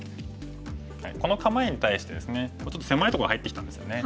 この構えに対してですねちょっと狭いとこ入ってきたんですよね。